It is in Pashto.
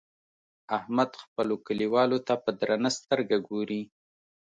احمد خپلو کليوالو ته په درنه سترګه ګوري.